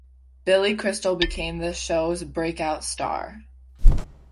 Billy Crystal became the show's break-out star.